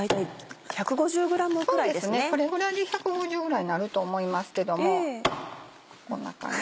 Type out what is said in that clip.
これぐらいで１５０ぐらいになると思いますけどもこんな感じ？